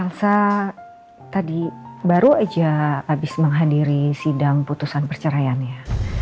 saya tadi baru aja habis menghadiri sidang putusan perceraiannya